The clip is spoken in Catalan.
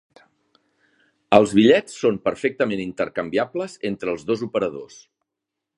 Els bitllets són perfectament intercanviables entre els dos operadors.